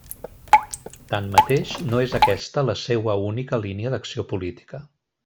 Tanmateix, no és aquesta la seua única línia d'acció política.